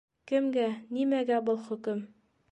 Кемгә, нимәгә был хөкөм?